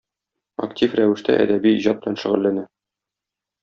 Актив рәвештә әдәби иҗат белән шөгыльләнә.